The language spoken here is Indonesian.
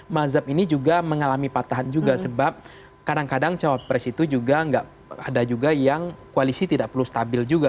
mazhab ini juga mengalami patahan juga sebab kadang kadang cawapres itu juga ada juga yang koalisi tidak perlu stabil juga